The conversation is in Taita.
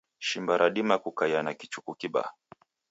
Shimba radima kukaia na kichuku kibaa